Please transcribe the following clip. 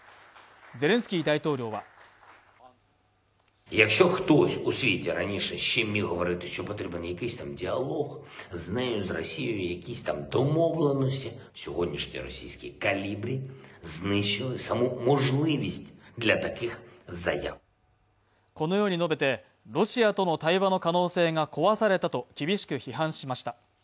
ゼレンスキー大統領はこのように述べて、ロシアとの対話の可能性が壊されたと厳しく批判しました。